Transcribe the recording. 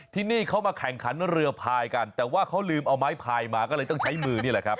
ที่นี่เขามาแข่งขันเรือพายกันแต่ว่าเขาลืมเอาไม้พายมาก็เลยต้องใช้มือนี่แหละครับ